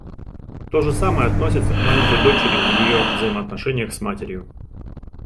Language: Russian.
То же самое относится к маленькой дочери в ее взаимоотношениях с матерью.